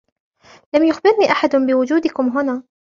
لم يخبرني أحد بوجودكم هنا.